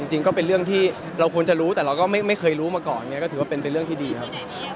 จริงก็เป็นเรื่องที่เราควรจะรู้แต่เราก็ไม่เคยรู้มาก่อนเนี่ยก็ถือว่าเป็นเรื่องที่ดีครับ